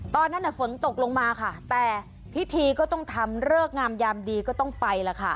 ตอนนั้นฝนตกลงมาค่ะแต่พิธีก็ต้องทำเริ่มแง่มดีก็ต้องไป